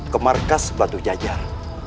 ke markas batu jajar